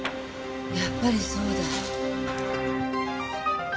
やっぱりそうだ。